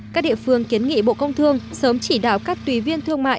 các địa phương kiến nghị bộ công thương sớm chỉ đạo các tùy viên thương mại